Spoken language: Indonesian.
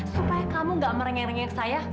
supaya kamu nggak merengeng rengeng ke saya